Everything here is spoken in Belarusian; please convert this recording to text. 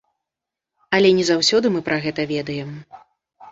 Але не заўсёды мы пра гэта ведаем.